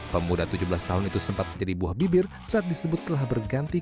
pemuda tujuh belas tahun itu sempat menjadi buah bibir saat disebut telah berganti